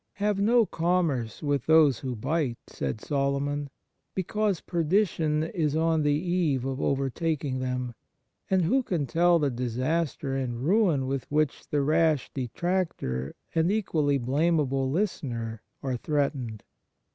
" Have no commerce with those who bite," said Solomon, because perdition is on the eve of overtaking them ; and who can tell the disaster and ruin with which the rash detractor and equally blamable listener are threatened?